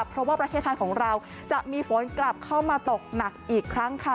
เพราะว่าประเทศไทยของเราจะมีฝนกลับเข้ามาตกหนักอีกครั้งค่ะ